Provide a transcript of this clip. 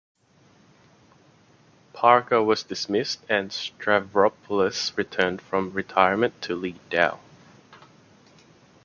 Parker was dismissed and Stavropoulos returned from retirement to lead Dow.